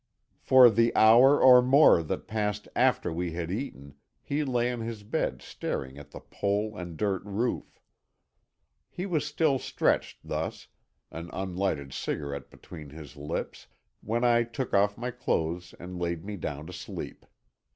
For the hour or more that passed after we had eaten he lay on his bed staring at the pole and dirt roof. He was still stretched thus, an unlighted cigarette between his lips, when I took off my clothes and laid me down to sleep.